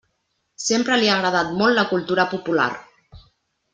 Sempre li ha agradat molt la cultura popular.